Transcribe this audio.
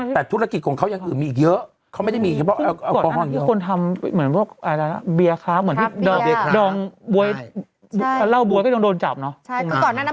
แต่หลังจากนี้ปุ๊บเราก็ต้องดูว่า